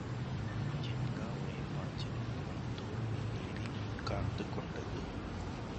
ஜின்கா ஒரே பாய்ச்சலில் அவன் தோள் மேல் ஏறி உட்கார்ந்துகொண்டது.